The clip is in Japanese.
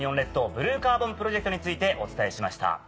ブルーカーボンプロジェクトについてお伝えしました。